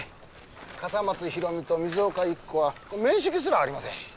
笠松ひろみと水岡由紀子は面識すらありません。